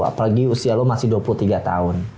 apalagi usia lo masih dua puluh tiga tahun